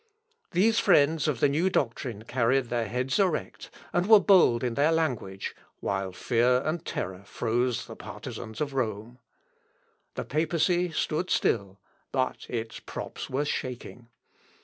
These friends of the new doctrine carried their heads erect, and were bold in their language, while fear and terror froze the partizans of Rome. The papacy still stood, but its props were shaking.